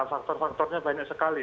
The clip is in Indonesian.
faktor faktornya banyak sekali